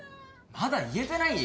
まだ言えてない？